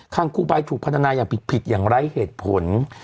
ครูบายถูกพัฒนาอย่างผิดอย่างไร้เหตุผล